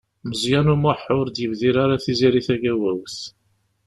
Meẓyan U Muḥ ur d-yebdir ara Tiziri Tagawawt.